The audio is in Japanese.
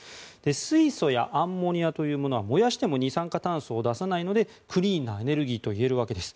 水素やアンモニアというものは燃やしても二酸化炭素を出さないのでクリーンなエネルギーといえるわけです。